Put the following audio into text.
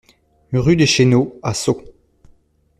Rue des Chéneaux à Sceaux